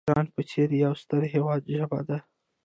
د ایران په څېر یو ستر هیواد ژبه ده.